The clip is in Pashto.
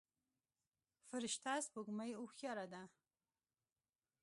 فرشته سپوږمۍ هوښياره ده.